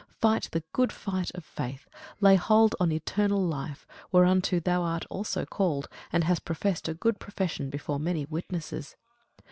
Fight the good fight of faith, lay hold on eternal life, whereunto thou art also called, and hast professed a good profession before many witnesses.